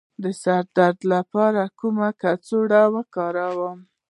د سر د درد لپاره کومه کڅوړه وکاروم؟